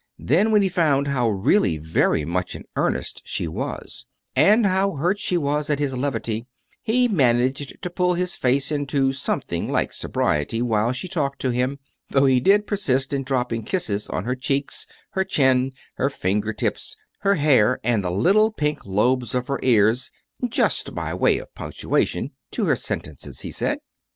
Then, when he found how really very much in earnest she was, and how hurt she was at his levity, he managed to pull his face into something like sobriety while she talked to him, though he did persist in dropping kisses on her cheeks, her chin, her finger tips, her hair, and the little pink lobes of her ears "just by way of punctuation" to her sentences, he said.